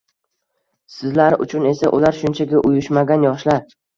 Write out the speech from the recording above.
Sizlar uchun esa ular shunchaki «Uyushmagan yoshlar»